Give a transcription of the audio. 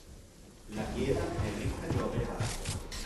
La chiesa è ricca di opere d'arte.